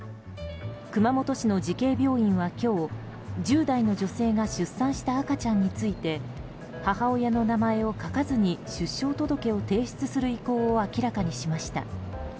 熊本市の慈恵病院は今日１０代の女性が出産した赤ちゃんについて母親の名前を書かずに出生届を提出する意向を明らかにしました。